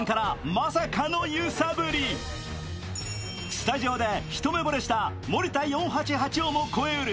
スタジオで一目ぼれした森田４８８をも超えうる